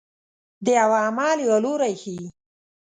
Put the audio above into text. د یوه عمل یا لوری ښيي.